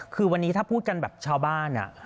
คือวันนี้ถ้าพูดกันแบบชาวบ้าน